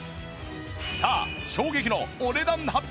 さあ衝撃のお値段発表！